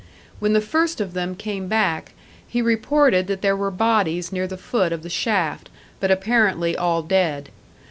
When the first of them came back, he reported that there were bodies near the foot of the shaft, but apparently all dead.